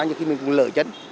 nhiều khi mình cũng lỡ chất